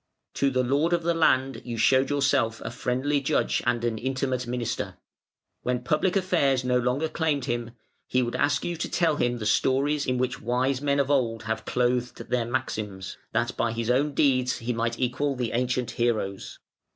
"To the lord of the land you showed yourself a friendly judge and an intimate minister. When public affairs no longer claimed him, he would ask you to tell him the stories in which wise men of old have clothed their maxims, that by his own deeds he might equal the ancient heroes.